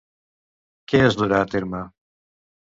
Què es durà a terme?